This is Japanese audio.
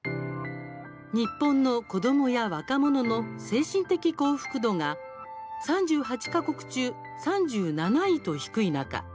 日本の子どもや若者の精神的幸福度が３８か国中３７位と低い中